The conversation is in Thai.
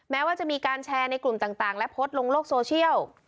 แม้ว่าจะมีการแชร์ในกลุ่มต่างและโพสต์ลงโลกโซเชียล